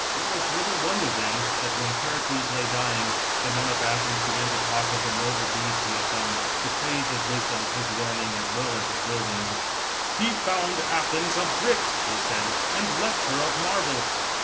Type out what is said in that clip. It was little wonder, then, that when Pericles B.C. 429.] DEATH OF PEDICLES. 109 lay dying, the men of Athens began to talk of the noble deeds he had done, "to praise his wisdom, his learning, as well as his buildings. " He found Athens of brick," they said, " and left her of marble."